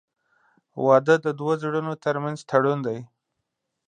• واده د دوه زړونو تر منځ تړون دی.